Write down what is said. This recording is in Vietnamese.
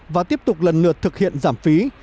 và tiếp tục lần lượt thực hiện giảm phí